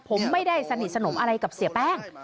ผมไม่ได้สนิทสนมอะไรกับเสียแป้ง